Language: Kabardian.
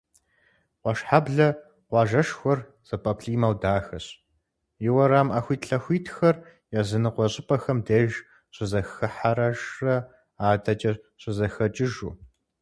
Куэшхьэблэ къуажэшхуэр зэпэплIимэу дахэщ, и уэрам Iэхуитлъэхуитхэр языныкъуэ щIыпIэхэм деж щызэхыхьэжрэ адэкIэ щызэхэкIыжу.